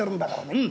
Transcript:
うん。